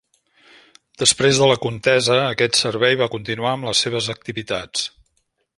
Després de la contesa, aquest servei va continuar amb les seves activitats.